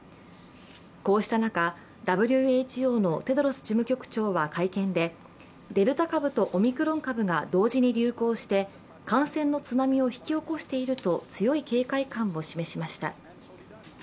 こうした中、ＷＨＯのテドロス事務局長は会見で、デルタ株とオミクロン株が同時に流行して感染の津波を引き起こしていると強い警戒感を示しました。